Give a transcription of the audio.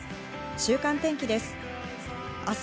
週間天気です。